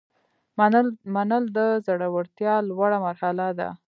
منل د زړورتیا لوړه مرحله ده.